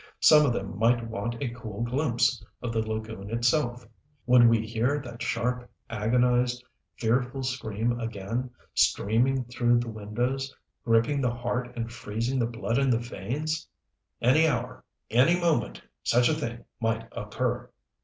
Some of them might want a cool glimpse of the lagoon itself. Would we hear that sharp, agonized, fearful scream again streaming through the windows, gripping the heart and freezing the blood in the veins? Any hour any moment such a thing might occur.